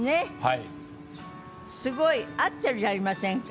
すごい！合ってるじゃありませんか。